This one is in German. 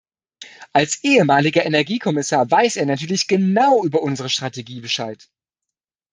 Als ehemaliger Energiekommissar weiß er natürlich genau über unsere Strategie Bescheid.